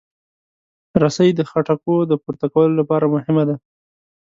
رسۍ د خټکو د پورته کولو لپاره مهمه ده.